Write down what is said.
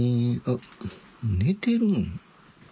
あっ寝てるん。